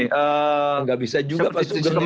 tidak bisa juga pak sebenarnya